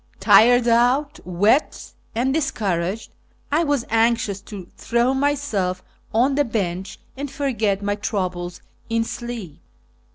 Tired out, wet, and dis couraged, I was anxious to throw myself on the bench and forget my troubles in sleep.